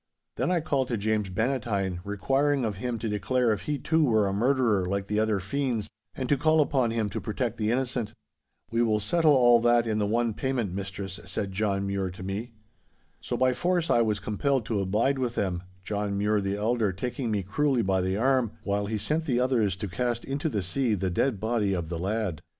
'Then I called to James Bannatyne requiring of him to declare if he too were a murderer like the other fiends, and to call upon him to protect the innocent. '"We will settle all that in the one payment, mistress," said John Mure to me. 'So by force I was compelled to abide with them, John Mure the elder taking me cruelly by the arm, while he sent the others to cast into the sea the dead body of the lad.